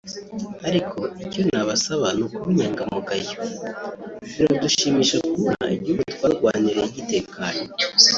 Ariko icyo nabasaba ni ukuba inyangamugayo[… ]Biradushimisha kubona igihugu twarwaniye gitekanye